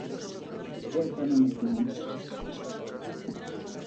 Fue tan emocionante.